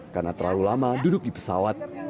karena terlalu lama duduk di pesawat